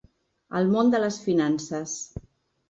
El món de les finances.